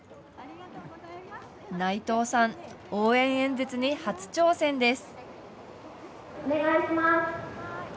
内藤さん、応援演説に初挑戦です。